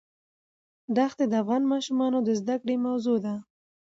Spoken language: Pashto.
دښتې د افغان ماشومانو د زده کړې موضوع ده.